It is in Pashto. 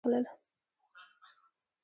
ما د مرستې غږ وکړ او هغوی راغلل